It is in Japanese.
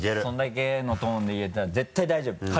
それだけのトーンで言えたら絶対大丈夫。